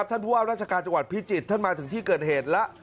ท่านผู้ว่าราชการจังหวัดพิจิตรท่านมาถึงที่เกิดเหตุแล้ว